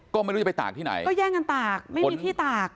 ก็ไม่รู้จะไปตากที่ไหนก็แย่งกันตากไม่มีที่ตาก